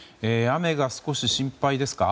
雨が少し心配ですか？